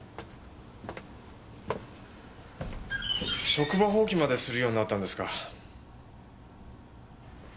職場放棄までするようになったんですか？